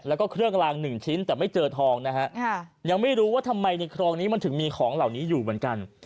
แล้วก็เครื่องลางหนึ่งชิ้นแต่ไม่เจอทองนะฮะยังไม่รู้ว่าทำไมในคลองนี้มันถึงมีของเหล่านี้อยู่เหมือนกัน